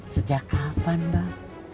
sejak kapan bang